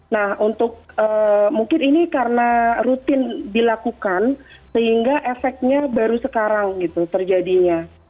nah untuk mungkin ini karena rutin dilakukan sehingga efeknya baru sekarang gitu terjadinya